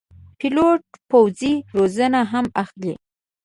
پیلوټ پوځي روزنه هم اخلي.